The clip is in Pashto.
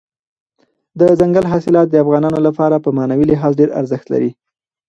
دځنګل حاصلات د افغانانو لپاره په معنوي لحاظ ډېر ارزښت لري.